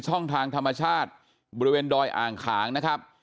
ช่องทางธรรมชาติบริเวณดอยอ่างขางนะครับ